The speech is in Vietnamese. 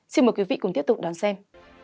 xin mời quý vị cùng tiếp tục đón xem